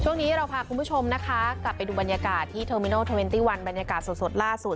ช่วงนี้เราพาคุณผู้ชมนะคะกลับไปดูบรรยากาศที่เทอร์มินัลเทอร์เวนตี้วันบรรยากาศสดล่าสุด